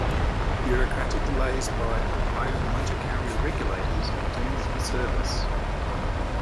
Bureaucratic delays by Ohio motor carrier regulators doomed the service.